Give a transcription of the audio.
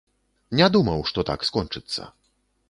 Не думаў, што так скончыцца.